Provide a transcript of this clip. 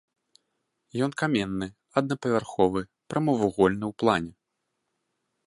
Ён каменны, аднапавярховы, прамавугольны ў плане.